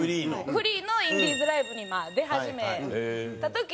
フリーのインディーズライブに出始めた時に。